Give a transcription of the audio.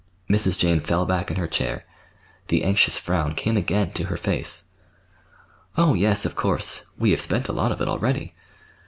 Mrs. Jane fell back in her chair. The anxious frown came again to her face. "Oh, yes, of course. We have spent a lot of it, already.